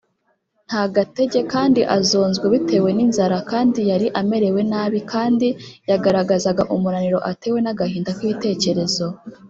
. Nta gatege kandi azonzwe bitewe n’inzara, yari amerewe nabi, kandi yagaragazaga umunaniro atewe n’agahinda k’ibitekerezo